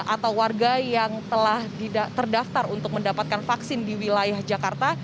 atau warga yang telah terdaftar untuk mendapatkan vaksin di wilayah jakarta